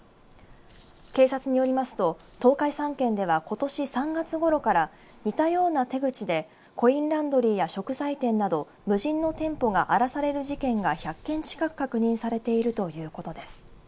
警察によりますと東海３県ではことし３月ごろから似たような手口でコインランドリーや食材店など無人の店舗が荒らされる事件が１００件近く確認されているということです。